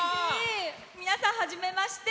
皆さん、はじめまして。